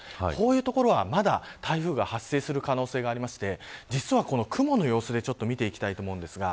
こういう所は、まだ台風が発生する可能性がありまして実はこの雲の様子で見ていきたいと思います。